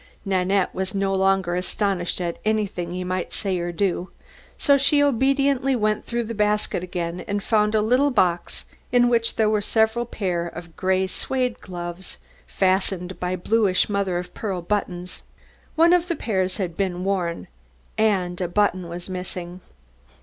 Nanette was no longer astonished at anything he might say or do, so she obediently went through the basket again and found a little box in which were several pair of grey suede gloves, fastened by bluish mother of pearl buttons. One of the pairs had been worn, and a button was missing.